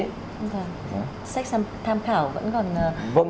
sách tham khảo vẫn còn